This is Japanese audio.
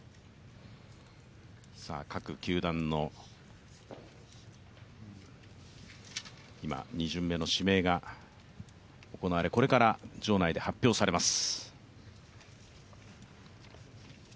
各球団の今、２巡目の指名が行われこれから場内で発表されます。